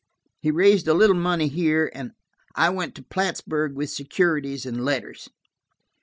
He raised a little money here, and I went to Plattsburg with securities and letters.